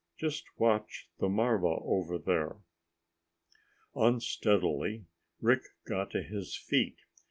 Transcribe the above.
"Just watch the marva over there." Unsteadily, Rick got to his feet.